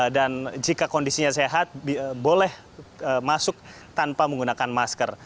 dan jika kondisinya sehat boleh masuk tanpa menggunakan masker